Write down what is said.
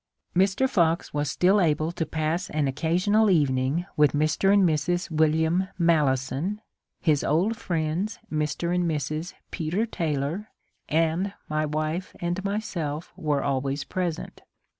Mr. Fox was still able to pass an occasional evening with Mr. and Mrs. William Malleson ; his old friends Mr. and Mrs. Peter Taylor and my wife and myself were always pre sent.